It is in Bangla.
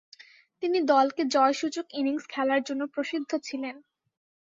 তিনি দলকে জয়সূচক ইনিংস খেলার জন্য প্রসিদ্ধ ছিলেন।